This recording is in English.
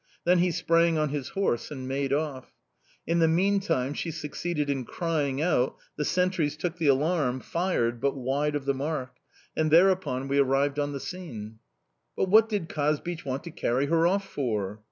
Then he sprang on his horse and made off. In the meantime she succeeded in crying out, the sentries took the alarm, fired, but wide of the mark; and thereupon we arrived on the scene." "But what did Kazbich want to carry her off for?"